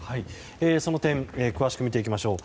その点詳しく見ていきましょう。